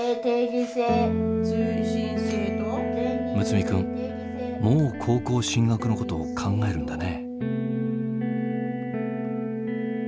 睦弥君もう高校進学のことを考えるんだね。